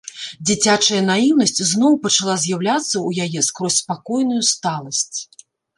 Дзіцячая наіўнасць зноў пачала з'яўляцца ў яе скрозь спакойную сталасць.